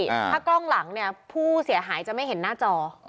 ถ้ากล้องหลังเนี่ยผู้เสียหายจะไม่เห็นหน้าจอ